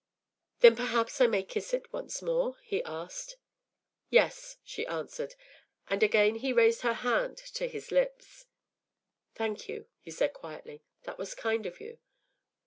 “Then perhaps I may kiss it once more?” he asked. “Yes,” she answered; and again he raised her hand to his lips. “Thank you,” he said quietly; “that was kind of you.